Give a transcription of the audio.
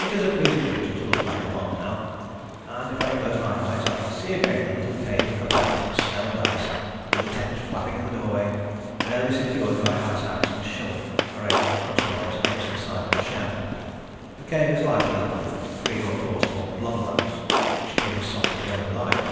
It is a pleasing picture to look back upon now, and, if I close my eyes, I can see again the little cave cut out in snow and ice with the tent flapping in the doorway, barely secured by ice axe and shovel arranged crosswise against the side of the shaft. The cave is lighted up with three or four small blubber lamps, which give a soft yellow light.